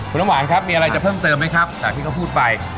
คุณน้ำหวานครับมีอะไรจะเพิ่มเติมไหมครับจากที่เขาพูดไป